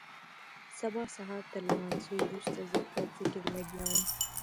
سبا سهارتر لمانځه وروسته زه په ذکر لگيا وم.